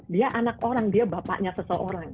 dia anak orang dia bapaknya seseorang